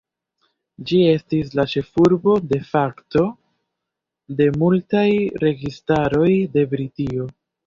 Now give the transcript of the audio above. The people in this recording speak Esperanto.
Ĝi estis la ĉefurbo "de facto" de multaj registaroj de Britio.